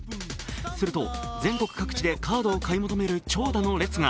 すると全国各地でカードを買い求める長蛇の列が。